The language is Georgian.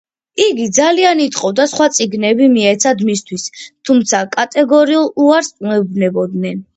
იგი ძალიან ითხოვდა სხვა წიგნები მიეცათ მისთვის, თუმცა კატეგორიულ უარს ეუბნებოდნენ.